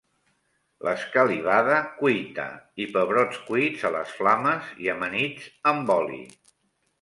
L'escalivada cuita i pebrots cuits a les flames i amanits amb oli.